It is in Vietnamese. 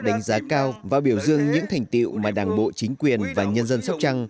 đánh giá cao và biểu dương những thành tiệu mà đảng bộ chính quyền và nhân dân sóc trăng